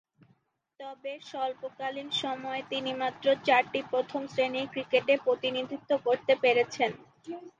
তবে, স্বল্পকালীন সময়ে তিনি মাত্র চারটি প্রথম-শ্রেণীর ক্রিকেটে প্রতিনিধিত্ব করতে পেরেছেন।